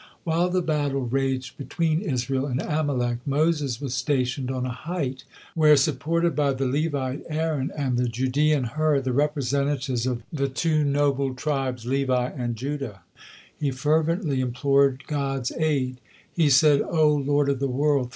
While the battle raged between Israel and Amalek, Moses was stationed on a height, where, supported by the Levite Aaron and the Judean Hur, the representatives of the two noble tribes Levi and Judah, he fervently implored God's aid. He said: "O Lord of the world!